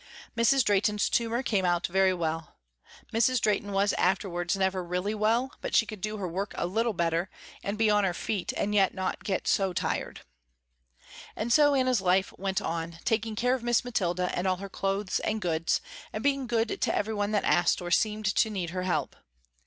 Mrs. Drehten's tumor came out very well. Mrs. Drehten was afterwards never really well, but she could do her work a little better, and be on her feet and yet not get so tired. And so Anna's life went on, taking care of Miss Mathilda and all her clothes and goods, and being good to every one that asked or seemed to need her help.